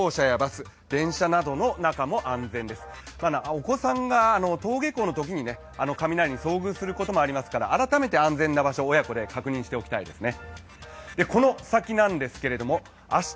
お子さんが登下校のときに雷に遭遇するときもありますから改めて安全な場所を親子で確認しておきたいですね。